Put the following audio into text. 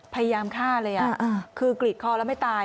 พยายามฆ่าเลยคือกรีดคอแล้วไม่ตาย